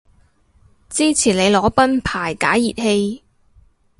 支持你裸奔排解熱氣